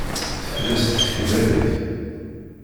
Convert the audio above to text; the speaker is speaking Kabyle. Tefles tkebbanit.